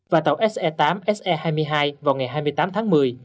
và tàu se tám se hai mươi hai vào ngày hai mươi tám tháng một mươi